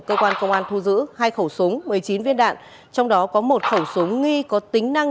cơ quan công an thu giữ hai khẩu súng một mươi chín viên đạn trong đó có một khẩu súng nghi có tính năng